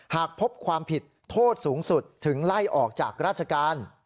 หากพบความผิดโทษสูงสุดถึงไล่ออกจากราชการ